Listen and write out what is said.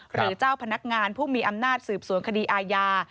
หรือเจ้าพนักงานผู้มีอำนาจสืบสวนคดีอาญา